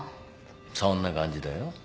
そんな感じだよ。